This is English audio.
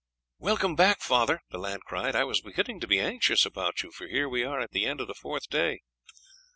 "Welcome back, father," the lad cried. "I was beginning to be anxious about you, for here we are at the end of the fourth day."